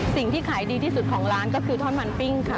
สิ่งที่ขายดีที่สุดของร้านก็คือท่อนมันปิ้งค่ะ